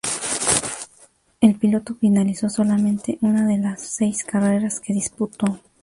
El piloto finalizó solamente una de las seis carreras que disputó.